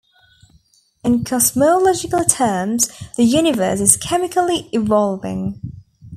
In cosmological terms, the universe is chemically evolving.